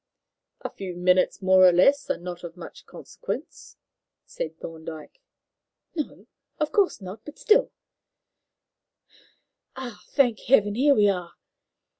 "A few minutes more or less are not of much consequence," said Thorndyke. "No, of course not; but still Ah, thank Heaven, here we are!"